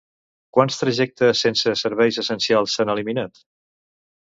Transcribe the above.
Quants trajectes sense serveis essencials s'han eliminat?